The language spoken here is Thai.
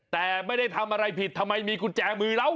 แต่ไม่ได้ทำอะไรผิดทำไมมีกุญแจมือเรา